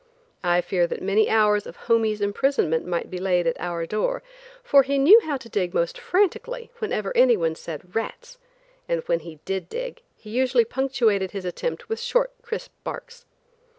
I fear that many hours of "Homie's" imprisonment might be laid at our door, for he knew how to dig most frantically when anyone said, "Rats," and when he did dig, he usually punctuated his attempt with short, crisp barks.